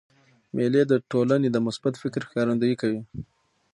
مېلې د ټولني د مثبت فکر ښکارندویي کوي.